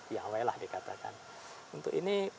yaweh lah dikatakan untuk ini